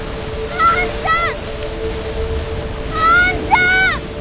兄ちゃん！